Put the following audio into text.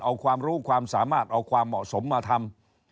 เอาความรู้ความสามารถเอาความเหมาะสมมาทำ